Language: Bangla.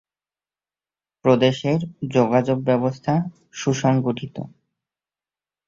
প্রদেশের যোগাযোগ ব্যবস্থা সুসংগঠিত।